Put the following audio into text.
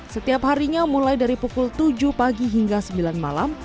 setiap harinya mulai dari pukul tujuh pagi hingga sembilan malam